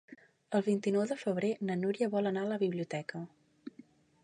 El vint-i-nou de febrer na Núria vol anar a la biblioteca.